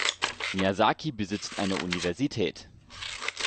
Miyazaki besitzt eine Universität.